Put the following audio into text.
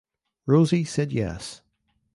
Rosie said yes.